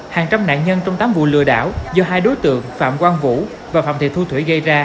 hàng trăm nạn nhân trong tám vụ lừa đảo do hai đối tượng phạm quang vũ và phạm thị thu thủy gây ra